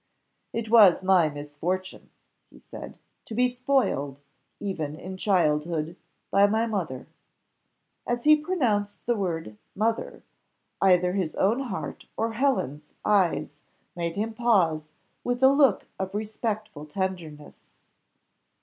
"It was my misfortune," he said, "to be spoiled, even in childhood, by my mother." As he pronounced the word "mother," either his own heart or Helen's eyes made him pause with a look of respectful tenderness.